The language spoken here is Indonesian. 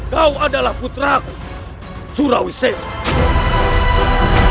kau adalah puteraku surawi sese